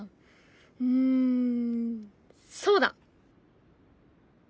うんそうだ！